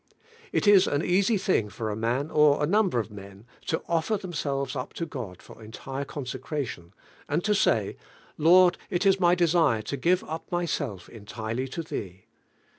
It is an easy tiling for a man or a number of men to offer themselves up to God for entire consecration, and to say, "Lord it is my desire to give up my self entirely to Thee."